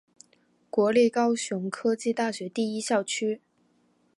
国立高雄科技大学第一校区。